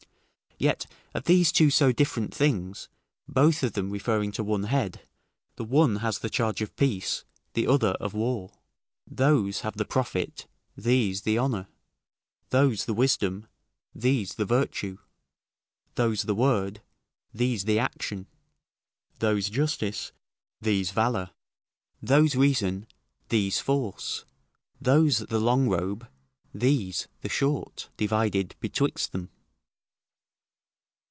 Yet of these two so different things, both of them referring to one head, the one has the charge of peace, the other of war; those have the profit, these the honour; those the wisdom, these the virtue; those the word, these the action; those justice, these valour; those reason, these force; those the long robe, these the short; divided betwixt them.